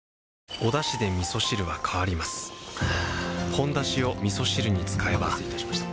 「ほんだし」をみそ汁に使えばお待たせいたしました。